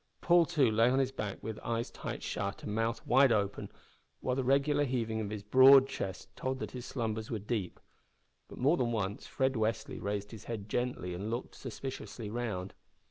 Paul, too, lay on his back with eyes tight shut and mouth wide open, while the regular heaving of his broad chest told that his slumbers were deep. But more than once Fred Westly raised his head gently and looked suspiciously round.